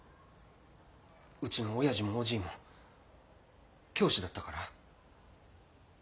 うちの親父もおじぃも教師だったから。